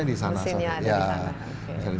mesinnya di sana